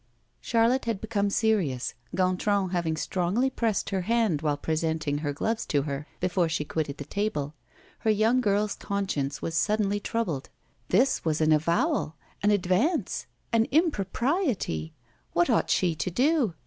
Charlotte had become serious, Gontran having strongly pressed her hand, while presenting her gloves to her, before she quitted the table. Her young girl's conscience was suddenly troubled. This was an avowal! an advance! an impropriety! What ought she to do?